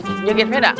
nyi pindahin sepeda